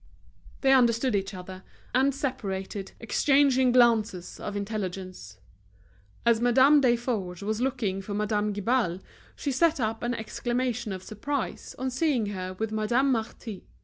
They understood each other, and separated, exchanging glances of intelligence. As Madame Desforges was looking for Madame Guibal, she set up an exclamation of surprise on seeing her with Madame Marty.